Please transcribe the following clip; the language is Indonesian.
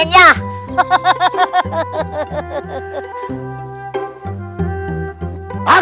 aku sudah bilang